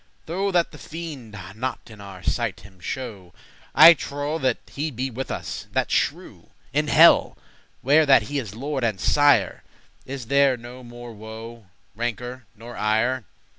Though that the fiend not in our sight him show, I trowe that he be with us, that shrew;* *impious wretch In helle, where that he is lord and sire, Is there no more woe, rancour, nor ire.